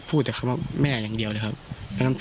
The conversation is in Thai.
อื้ม